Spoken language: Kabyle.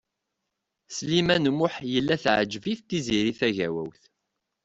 Sliman U Muḥ yella teɛǧeb-it Tiziri Tagawawt.